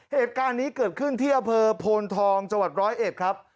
เหตุการณ์นี้เกิดขึ้นที่อเภอพลทองจร้อยเอ็ดครับ